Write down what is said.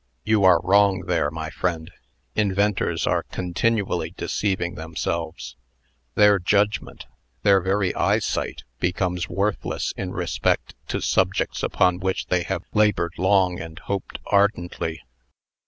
"You are wrong there, my friend. Inventors are continually deceiving themselves. Their judgment, their very eyesight becomes worthless in respect to subjects upon which they have labored long and hoped ardently.